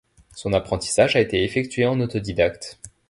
Son apprentissage a été effectué en autodidacte.